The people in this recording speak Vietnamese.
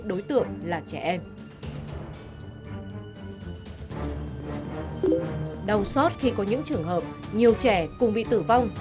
đầu sót khi có những trường hợp nhiều trẻ cùng bị tử vong